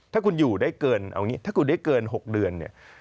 ถ้าคุณอยู่แล้วได้เกิน๖เดือน